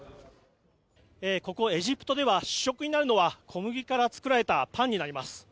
ここエジプトでは主食になるのは小麦から作られたパンになります。